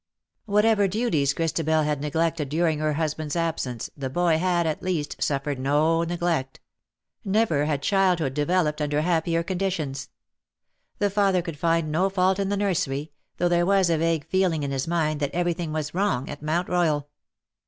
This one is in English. Whatever duties Christabel had neg lected during her husband's absence, the boy had, at least, suffered no neglect. Never had child hood developed imder happier conditions. The father could find no fault in the nursery, though there was a vague feeling in his mind that every thing was wrong at Mount Royal.